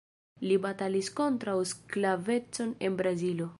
Li batalis kontraŭ sklavecon en Brazilo.